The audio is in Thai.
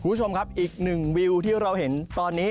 คุณผู้ชมครับอีกหนึ่งวิวที่เราเห็นตอนนี้